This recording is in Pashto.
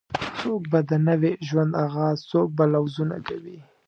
څوک به د نوې ژوند آغاز څوک به لوظونه کوي